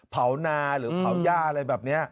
เผานาหรือเผาหญ้าอะไรแบบนี้